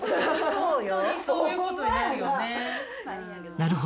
なるほど。